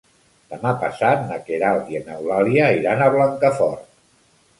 Demà passat na Queralt i n'Eulàlia iran a Blancafort.